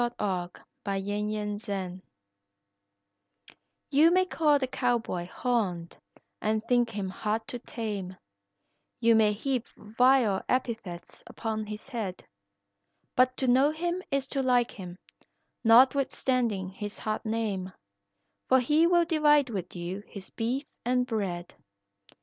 THE COWBOY AT WORK You may call the cowboy horned and think him hard to tame, You may heap vile epithets upon his head; But to know him is to like him, notwithstanding his hard name, For he will divide with you his beef and bread.